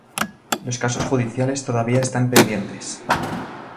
Las casos judiciales todavía está pendientes.